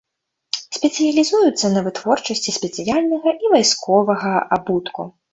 Спецыялізуецца на вытворчасці спецыяльнага і вайсковага абутку.